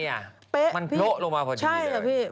ยังไงอ่ะมันโผล่ลงมาพอทีนี้เลย